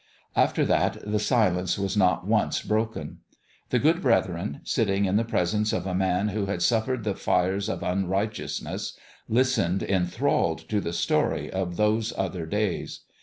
After that the silence was not once broken. The good brethren, sitting in the presence of a man who had suffered the fires of unrighteousness, lis tened, enthralled, to the story of those other days.